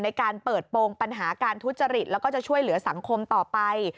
ในการเปิดโปรงปัญหาการทุจริตแล้วก็จะช่วยเหลือสังคมต่อไป